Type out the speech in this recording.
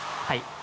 はい？